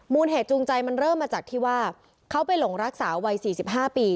เหตุจูงใจมันเริ่มมาจากที่ว่าเขาไปหลงรักสาววัย๔๕ปี